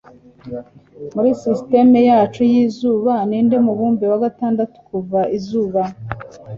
Muri sisitemu yacu yizuba Ninde mubumbe wa gatandatu kuva izuba